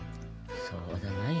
そうだない。